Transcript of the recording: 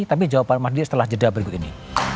tapi jawaban mahdi setelah jeda berikut ini